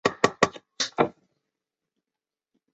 感觉可以住一天